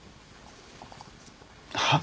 はっ？